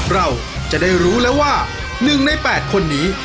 เราจะได้รู้แล้วว่า๑ใน๘คนนี้